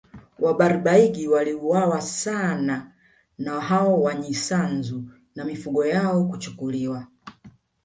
Wabarbaig waliuawa sana na hao Wanyisanzu na mifugo yao kuchukuliwa